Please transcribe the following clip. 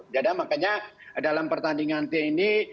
jadi makanya dalam pertandingan ini